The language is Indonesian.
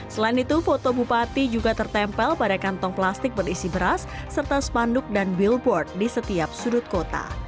selain itu foto bupati juga tertempel pada kantong plastik berisi beras serta spanduk dan billboard di setiap sudut kota